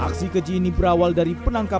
aksi keji ini berawal dari penangkapan